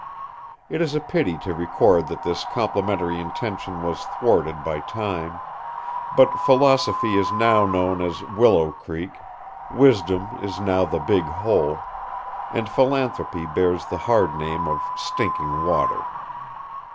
It is a pity to record that this complimentary intention was thwarted by time; but Philosophy is now known as Willow Creek, Wisdom is now the Big Hole, and Philanthropy bears the hard name of Stinking Water.